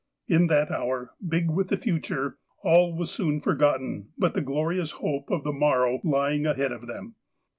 In that hour, big with the future, all was soon forgot ten but the glorious hope of the morrow lying ahead of them.